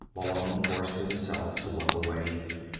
Malone forced himself to look away.